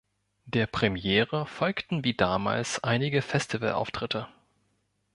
Der Premiere folgten wie damals einige Festivalauftritte.